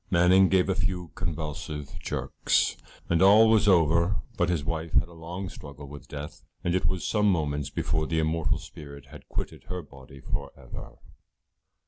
Manning gave a few convulsive jerks, and all was over, but his wife had a long struggle with death, and it was some moments before the immortal spirit had quitted her body for ever.